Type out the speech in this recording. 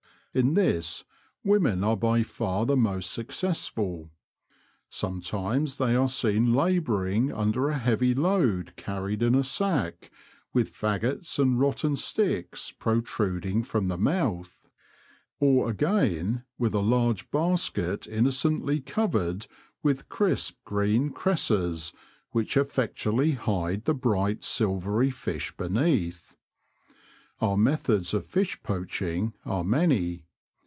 In this women are by far the most successful. Sometimes they are seen labouring under a heavy load carried in a sack, with faggots and rotten sticks protruding from the mouth ; or again, with a large basket innocently covered with crisp, green cresses which effectually hide the bright silvery fish beneath. Our methods of fish poaching are many.